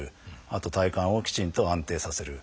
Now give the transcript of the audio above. あと体幹をきちんと安定させる。